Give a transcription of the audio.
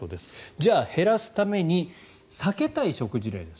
じゃあ、減らすために避けたい食事例です。